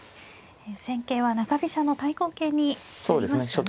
戦型は中飛車の対抗型になりましたね。